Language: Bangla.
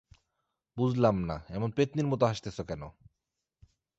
বুঝলাম না এমন পেত্নীর মত হাসতেছো কেন!